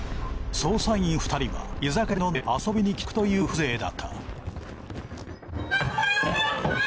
捜査員２人は居酒屋で飲んで遊びに来た客という風情だった。